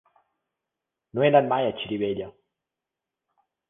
No he anat mai a Xirivella.